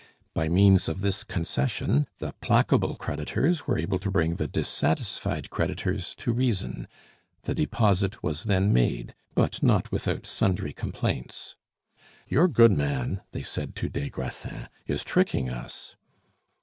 By means of this concession the placable creditors were able to bring the dissatisfied creditors to reason. The deposit was then made, but not without sundry complaints. "Your goodman," they said to des Grassins, "is tricking us."